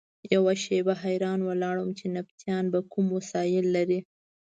یوه شېبه حیران ولاړ وم چې نبطیانو به کوم وسایل لرل.